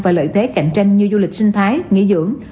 và lợi thế cạnh tranh như du lịch sinh thái nghỉ dưỡng